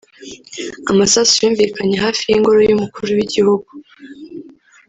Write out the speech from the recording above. Amasasu yumvikanye hafi y’ingoro y’umukuru w’igihugu